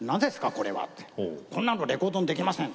これはってこんなのレコードにできません